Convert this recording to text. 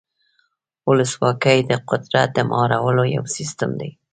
ولسواکي د قدرت د مهارولو یو سیستم دی.